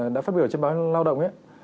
đã phát biểu trên báo lao động